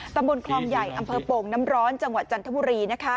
ตำบลคลองใหญ่อำเภอโป่งน้ำร้อนจังหวัดจันทบุรี